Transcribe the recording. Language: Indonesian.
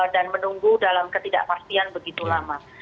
dan menunggu dalam ketidakpastian begitu lama